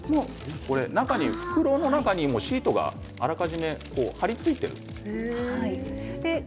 袋の中にシートがあらかじめはり付いているんですね。